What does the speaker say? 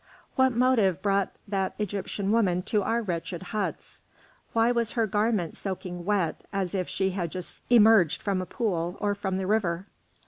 What motive brought that Egyptian woman to our wretched huts? Why was her garment soaking wet, as if she had just emerged from a pool or from the river?"